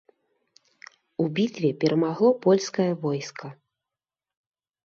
У бітве перамагло польскае войска.